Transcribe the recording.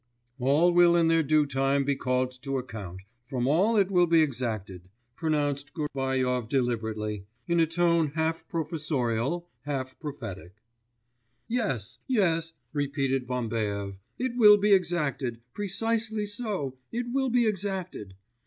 'All will in their due time be called to account, from all it will be exacted,' pronounced Gubaryov deliberately, in a tone half professorial, half prophetic. 'Yes, yes,' repeated Bambaev, 'it will be exacted, precisely so, it will be exacted.